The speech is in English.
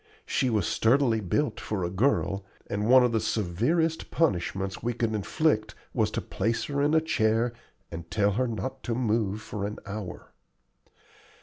She was sturdily built for a girl, and one of the severest punishments we could inflict was to place her in a chair and tell her not to move for an hour.